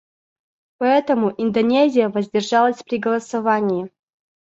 Поэтому Индонезия воздержалась при голосовании.